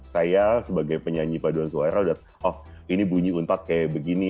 saya sebagai penyanyi paduan suara udah oh ini bunyi untat kayak begini